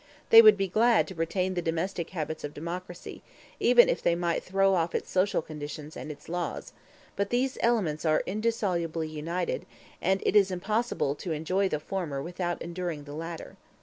They would be glad to retain the domestic habits of democracy, if they might throw off its social conditions and its laws; but these elements are indissolubly united, and it is impossible to enjoy the former without enduring the latter.